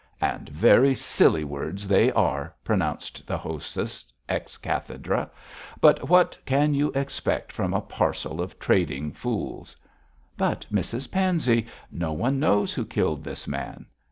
'And very silly words they are!' pronounced the hostess, ex cathedrâ; 'but what can you expect from a parcel of trading fools?' 'But, Mrs Pansey, no one knows who killed this man.'